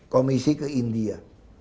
komisi ke india